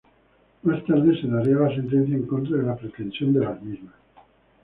Más tarde se daría la sentencia en contra de la pretensión de las mismas.